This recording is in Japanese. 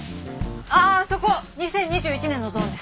ああそこ２０２１年のゾーンです。